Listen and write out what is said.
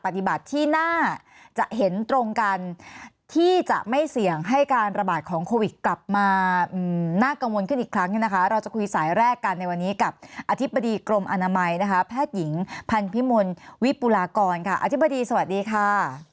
อธิบดีกรมอนามัยแพทย์หญิงพันธุ์พิมนตร์วิปุรากรอธิบดีสวัสดีค่ะ